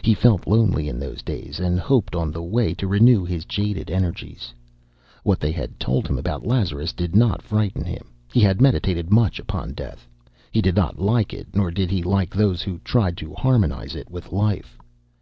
He felt lonely in those days and hoped on the way to renew his jaded energies. What they told him about Lazarus did not frighten him. He had meditated much upon death. He did not like it, nor did he like those who tried to harmonise it with life.